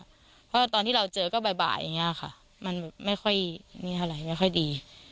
เพราะว่าตอนที่เราเจอก็บ่ายอย่างนี้ค่ะมันไม่ค่อยมีอะไรไม่ค่อยดี